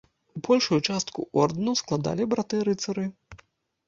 Большую частку ордэнаў складалі браты-рыцары.